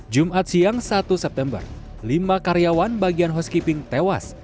jumat siang satu september lima karyawan bagian housekeeping tewas